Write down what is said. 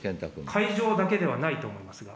会場だけではないと思いますが。